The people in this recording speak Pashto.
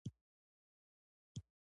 کوچیان د افغانستان د اقلیم ځانګړتیا ده.